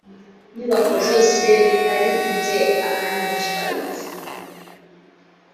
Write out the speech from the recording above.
nyubako zose bitari ibye ahanishwa igifungo